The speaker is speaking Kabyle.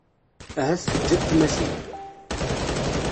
Ahat teǧǧa-t tmacint.